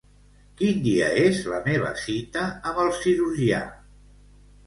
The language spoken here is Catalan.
Quin dia és la meva cita amb el cirurgià?